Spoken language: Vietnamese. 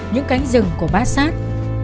những cánh rừng của bát sát